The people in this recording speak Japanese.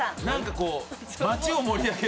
何かこう。